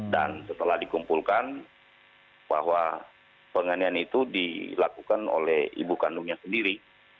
dan setelah dikumpulkan bahwa penganiayaan itu dilakukan oleh ibu kandungnya sendiri